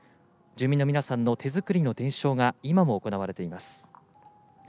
住民の皆さんの手作りの伝承が今も行われています。